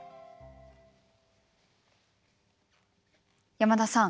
山田さん